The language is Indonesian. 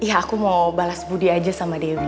ya aku mau balas budi aja sama dewi